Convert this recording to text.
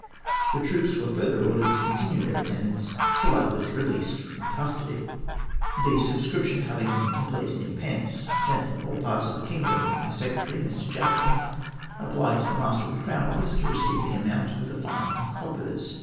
The troops were further ordered to continue their attendance till I was released from custody. "The subscription having been completed in pence, sent from all parts of the kingdom, my secretary, Mr. Jackson, applied to the Master of the Crown Office to receive the amount of the fine in coppers.